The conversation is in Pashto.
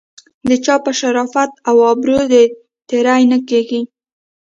د چا په شرافت او ابرو دې تېری نه کیږي.